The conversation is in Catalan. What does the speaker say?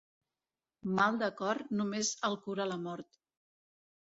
Mal de cor només el cura la mort.